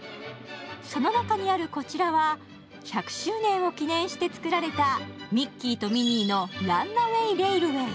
その中にあるこちらは１００周年を記念して作られたミッキーとミニーのランナウェイ・レイルウェイ。